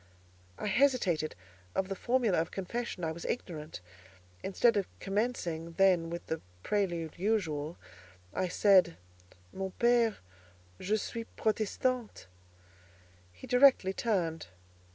I hesitated; of the formula of confession I was ignorant: instead of commencing, then, with the prelude usual, I said:—"Mon père, je suis Protestante." He directly turned.